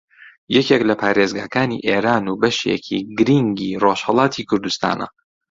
یەکێک لە پارێزگاکانی ئێران و بەشێکی گرینگی ڕۆژھەڵاتی کوردستانە